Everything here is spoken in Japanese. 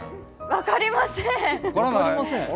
分かりません。